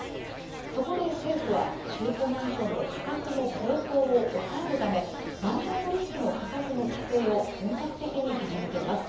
そこで政府は中古マンションの価格の高騰を抑えるためマンション取引の価格の規制を本格的に始めています。